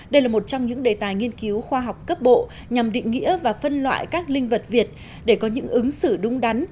đây là một trong những đề tài nghiên cứu khoa học cấp bộ nhằm định nghĩa và phân loại các linh vật việt để có những ứng xử đúng đắn